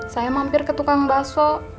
saya mampir ke tukang bakso